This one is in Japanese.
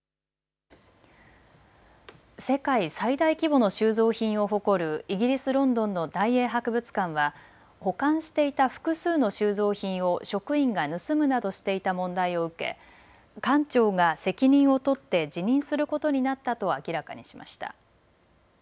世界最大規模の収蔵品を誇るイギリス・ロンドンの大英博物館は保管していた複数の収蔵品を職員が盗むなどしていた問題を受け、館長が責任を取って辞任することになったと明らかにしました。